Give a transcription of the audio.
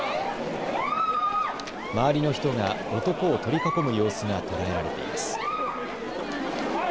周りの人が男を取り囲む様子が捉えられています。